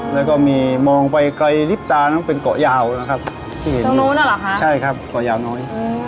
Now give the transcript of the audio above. แล้วก็มีมองไปไกลลิบตาเป็นเกาะยาวนะครับตรงนู้นหรอคะใช่ครับเกาะยาวน้อย